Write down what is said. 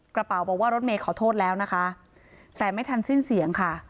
กระเป๋าบอกว่ารถเมย์ขอโทษแล้วนะคะแต่ไม่ทันสิ้นเสียงค่ะ